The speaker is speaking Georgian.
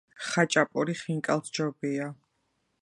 ხაჭაპური ხინკალს ჯობია